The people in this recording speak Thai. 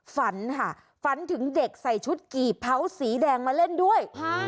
ฝันค่ะฝันถึงเด็กใส่ชุดกี่เผาสีแดงมาเล่นด้วย